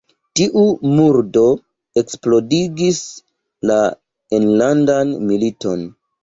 Tiu murdo eksplodigis la enlandan militon.